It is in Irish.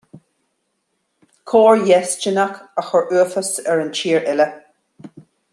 Coir dhéistineach a chuir uafás ar an tír uile